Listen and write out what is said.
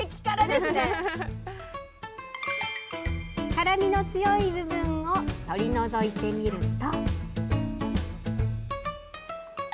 辛みの強い部分を取り除いてみると。